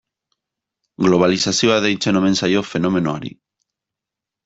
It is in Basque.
Globalizazioa deitzen omen zaio fenomenoari.